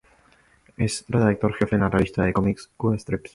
Es redactor jefe en la revista de cómics ""Q strip"".